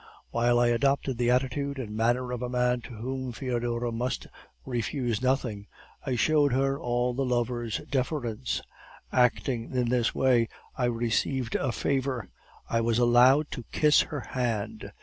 While I adopted the attitude and manner of a man to whom Foedora must refuse nothing, I showed her all a lover's deference. Acting in this way, I received a favor I was allowed to kiss her hand.